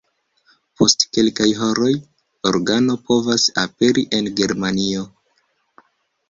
Post kelkaj horoj organo povas aperi en Germanio.